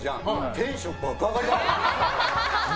テンション、爆上がりだった。